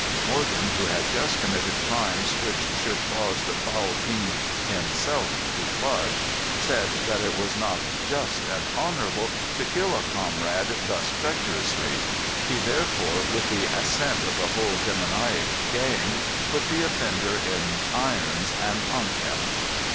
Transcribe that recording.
Morgan, who had just committed crimes which should cause the foul fiend himself to blush, said that it was not just and honorable to kill a comrade thus treacherously. He therefore, with the assent of the whole demoniac gang, put the offender in irons and hung him.